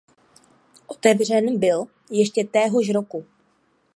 Otevřen byl ještě téhož roku.